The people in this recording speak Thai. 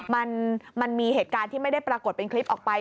มันมีเหตุการณ์ที่ไม่ได้ปรากฏเป็นคลิปออกไป